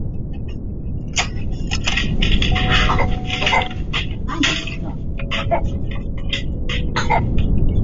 这是航天飞机第一次完全操作飞行。